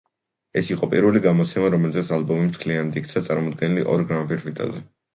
ეს იყო პირველი გამოცემა, რომელზეც ალბომი მთლიანად იქცა წარმოდგენილი, ორ გრამფირფიტაზე.